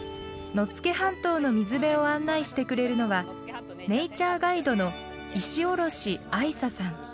野付半島の水辺を案内してくれるのはネイチャーガイドの石下亜衣紗さん。